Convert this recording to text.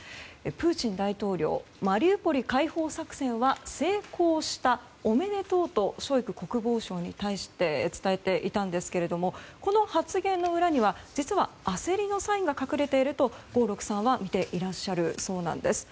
プーチン大統領マリウポリ解放作戦は成功した、おめでとうとショイグ国防相に伝えていたんですけれどもこの発言の裏には実は焦りのサインが隠れていると合六さんはみているそうです。